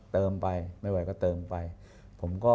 อเรนนี่แหละอเรนนี่แหละ